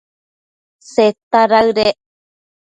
Seta daëdec